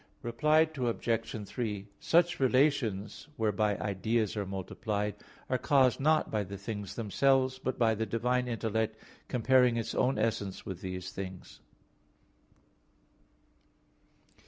Reply Obj. 3: Such relations, whereby ideas are multiplied, are caused not by the things themselves, but by the divine intellect comparing its own essence with these things.